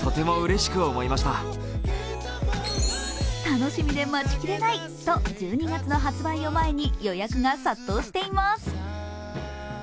楽しみで待ちきれないと１２月の発売を前に予約が殺到しています。